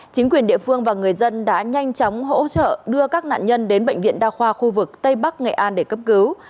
chính quyền địa phương và người dân đã nhanh chóng hỗ trợ đưa các nạn nhân đến bệnh viện đa khoa khu vực tây bắc nghệ an để cấp cứu